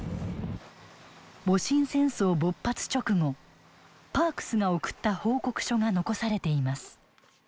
戊辰戦争勃発直後パークスが送った報告書が残されています。